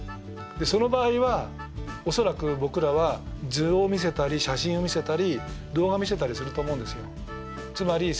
その場合は恐らく僕らは図を見せたり写真を見せたり動画見せたりすると思うんですよ。